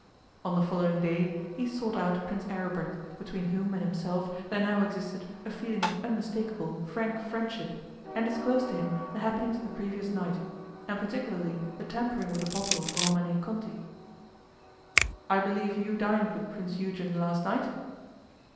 On the following day he sought out Prince Aribert, between whom and himself there now existed a feeling of unmistakable, frank friendship, and disclosed to him the happenings of the previous night, and particularly the tampering with the bottle of Romanée Conti. 'I believe you dined with Prince Eugen last night?